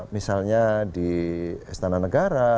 misalnya di istana negara